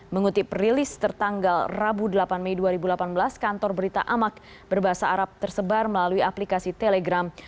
mengutip rilis tertanggal rabu delapan mei dua ribu delapan belas kantor berita amak berbahasa arab tersebar melalui aplikasi telegram